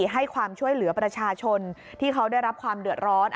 ให้ความช่วยเหลือประชาชนที่เขาได้รับความเดือดร้อน